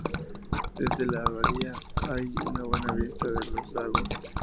Desde la abadía hay una buena vista de los lagos.